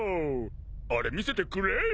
あれ見せてくれよ。